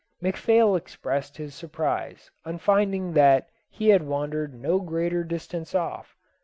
McPhail expressed his surprise on finding that he had wandered no greater distance off.